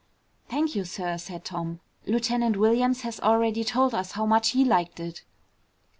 "Thank you, sir," said Tom. "Lieutenant Williams has already told us how much he liked it."